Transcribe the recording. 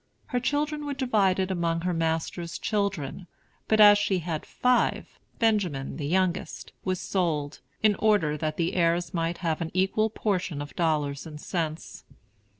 Her children were divided among her master's children; but as she had five, Benjamin, the youngest, was sold, in order that the heirs might have an equal portion of dollars and cents.